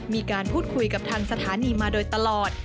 มีการพูดคุยกับทางสถานีมาโดยตลอด